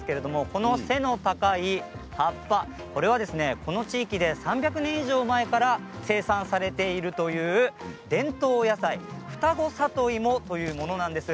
この背の高い葉っぱはこの地域で３００年以上前から生産されているという伝統野菜二子さといもです。